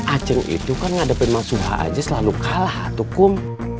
a ceng itu kan ngadepin masuha aja selalu kalah atuh kum